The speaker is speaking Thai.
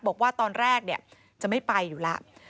บอกว่าตอนแรกจะไม่ไปอยู่แล้ว